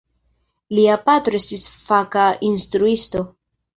Lia patro estis faka instruisto.